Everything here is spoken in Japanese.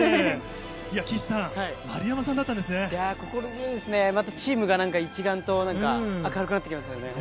岸さん、心強いですね、またチームがなんか一段と明るくなってきますよね。